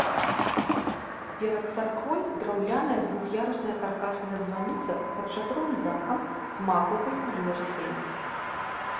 Перад царквой драўляная двух'ярусная каркасная званіца пад шатровым дахам з макаўкай у завяршэнні.